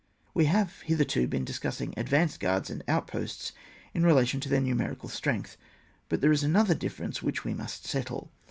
— We have hitherto been discussing ad vanced guards and outposts in relation to their numerical strength ; but there is another difference which we must settle.